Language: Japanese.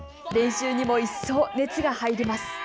練習にも一層熱が入ります。